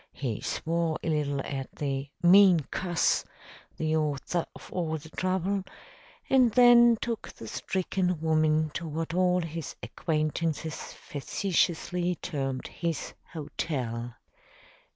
He swore a little at the "mean cuss," the author of all the trouble, and then took the stricken woman to what all his acquaintances facetiously termed his "hotel."